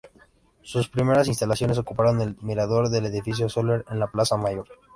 Sus primeras instalaciones ocuparon el mirador del edificio "Soler" en la Plaza Mayor.